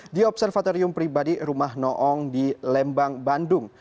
di observatorium pribadi rumah noong di lembang bandung